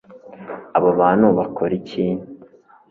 abo bantu bakora iki